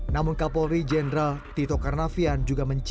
namun kapolri jenderal tito karnavian juga mencari